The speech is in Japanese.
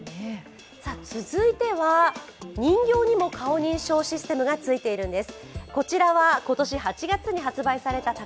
続いては人形にも顔認証システムがついてるんです。